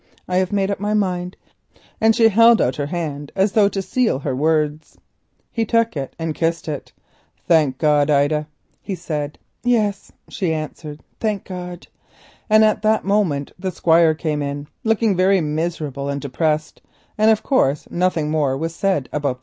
I have made up my mind," and she held out her hand, as though to seal her words. He took it and kissed it. "Thank heaven, Ida," he said. "Yes," she answered, "thank heaven;" and at that moment the Squire came in, looking very miserable and depressed, and of course nothing more was said about the matter.